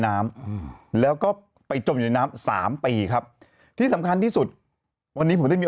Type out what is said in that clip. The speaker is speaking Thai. น้ำอืมแล้วก็ไปจมอยู่ในน้ำสามปีครับที่สำคัญที่สุดวันนี้ผมได้มี